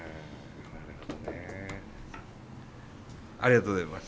ありがとうございます。